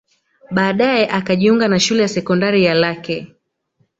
Baadae akajiunga na shule ya sekondari ya Lake